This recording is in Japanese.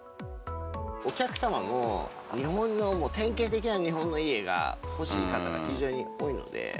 お客様も日本の典型的な日本の家が欲しい方が非常に多いので。